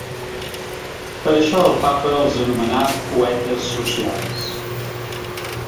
Per això el papa els anomenà ‘poetes socials’.